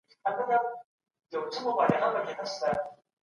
وزیر اکبر خان د جګړې په ډگر کې بې وېرې ودرېد.